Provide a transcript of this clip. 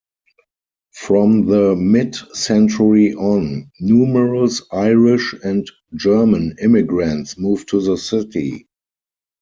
From the mid-century on, numerous Irish and German immigrants moved to the city.